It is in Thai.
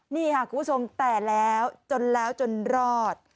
นี่ค่ะคุณผู้ชมแต่แล้วจนแล้วจนรอด